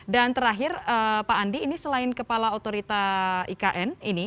dan terakhir pak andi ini selain kepala otorita ikn ini